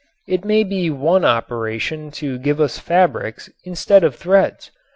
It may by one operation give us fabrics instead of threads.